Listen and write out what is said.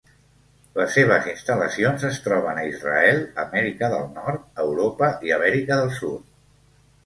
Les seves instal·lacions es troben a Israel, Amèrica del Nord, Europa i Amèrica del Sud.